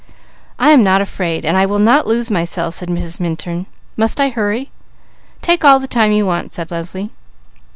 "I am not afraid, and I will not lose myself," said Mrs. Minturn. "Must I hurry?" "Take all the time you want," said Leslie.